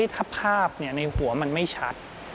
ถ้าภาพในหัวมันไม่ชัด